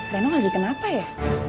reno lagi kenapa ya